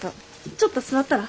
ちょっと座ったら？